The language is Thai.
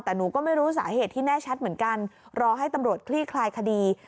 แต่หนูก็ไม่รู้สาเหตุที่แน่ชัดเหมือนกันรอให้ตำรวจคลี่คลายคดี